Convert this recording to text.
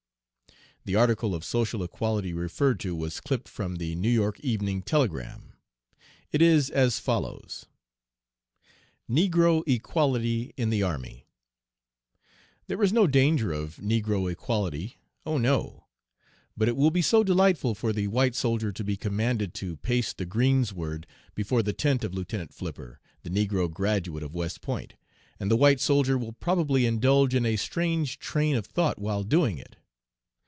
'" The article of social equality referred to was clipped from the New York Evening Telegram. It is as follows: NEGRO EQUALITY IN THE ARMY. "There is no danger of negro equality, oh no! But it will be so delightful for the white soldier to be commanded to pace the greensward before the tent of Lieutenant Flipper, the negro graduate of West Point, and the white soldier will probably indulge in a strange train of thought while doing it.